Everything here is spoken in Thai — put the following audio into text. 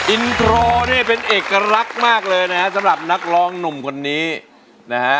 อินโทรนี่เป็นเอกลักษณ์มากเลยนะฮะสำหรับนักร้องหนุ่มคนนี้นะฮะ